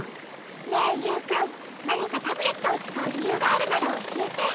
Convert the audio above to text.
ねえユウくんなにかタブレットをつかうりゆうがあるならおしえて？